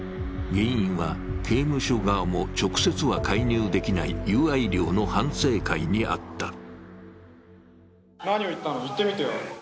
原因は刑務所側も直接は介入できない友愛寮の反省会にあった。